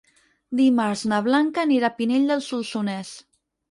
Dimarts na Blanca anirà a Pinell de Solsonès.